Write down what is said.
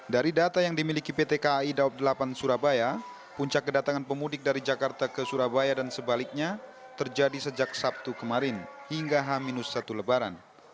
dari data yang dimiliki pt kai daob delapan surabaya puncak kedatangan pemudik dari jakarta ke surabaya dan sebaliknya terjadi sejak sabtu kemarin hingga h satu lebaran